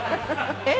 えっ？